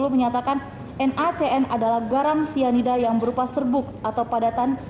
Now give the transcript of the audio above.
menyatakan nacn adalah garam cyanida yang berupa serbuk atau padatan